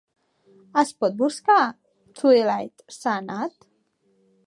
Es pot buscar Twilight s'ha anat?